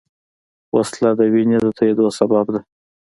وسله د وینې د تویېدو سبب ده